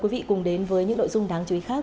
quý vị cùng đến với những nội dung đáng chú ý khác